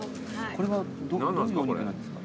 これはどういうお肉なんですか？